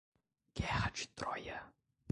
Guerra de Troia